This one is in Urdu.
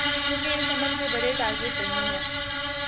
کیونکہ اس عمل کے بڑے ٹارگٹ وہی ہیں۔